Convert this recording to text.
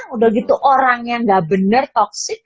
udah gitu orang yang gak bener toxic